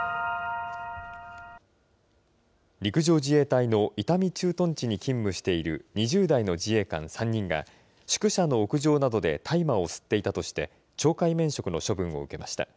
陸上自衛隊の伊丹駐屯地に勤務している２０代の自衛官３人が、宿舎の屋上などで大麻を吸っていたとして、懲戒免職の処分を受けました。